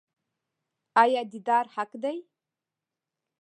آیا دیدار حق دی؟